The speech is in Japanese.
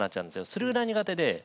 それぐらい苦手で。